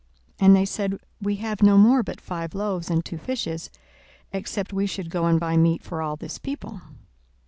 And they said, We have no more but five loaves and two fishes; except we should go and buy meat for all this people.